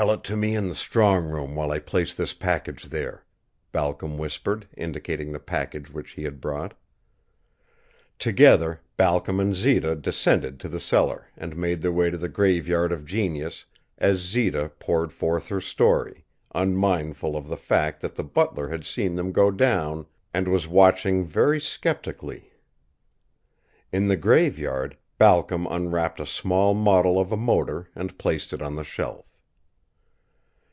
"Tell it to me in the strong room while I place this package there," Balcom whispered, indicating the package which he had brought. Together Balcom and Zita descended to the cellar and made their way to the Graveyard of Genius as Zita poured forth her story, unmindful of the fact that the butler had seen them go down and was watching very skeptically. In the Graveyard Balcom unwrapped a small model of a motor and placed it on the shelf.